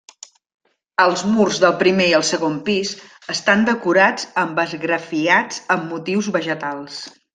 Els murs del primer i el segon pis, estan decorats amb esgrafiats amb motius vegetals.